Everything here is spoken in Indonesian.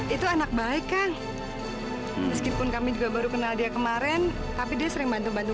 itu anak baik kan meskipun kami juga baru kenal dia kemarin tapi dia sering bantu bantu